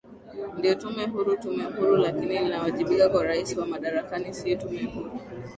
ndio tume huru tume huru lakini inawajibika kwa rais wa madarakani si tume huru